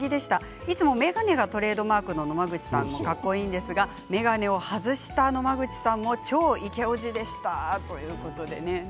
いつも眼鏡がトレードマークの野間口さんもかっこいいですが眼鏡を外した野間口さんもイケオジでしたということで。